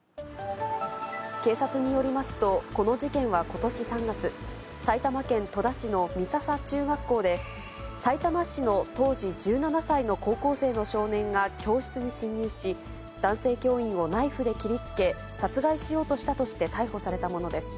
警察によりますと、この事件はことし３月、埼玉県戸田市の美笹中学校で、さいたま市の当時１７歳の高校生の少年が教室に侵入し、男性教員をナイフで切りつけ、殺害しようとしたとして逮捕されたものです。